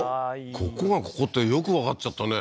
ここがここってよくわかっちゃったね